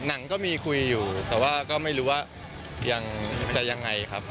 หนังก็มีคุยอยู่แต่ว่าก็ไม่รู้ว่ายังจะยังไงครับ